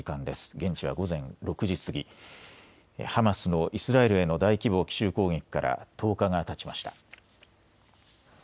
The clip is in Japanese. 現地は午前６時過ぎ、ハマスのイスラエルへの大規模な奇襲攻撃から１０日がたちました。